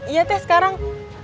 iya teh sekarang